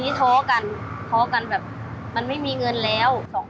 และช่วงนั้นก็จะเย่แบบก็เพิ่งให้ขายพุทธบาทด้วยค่ะ